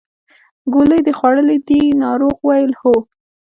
ګولۍ دې خوړلې دي ناروغ وویل هو.